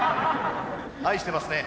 愛してますね。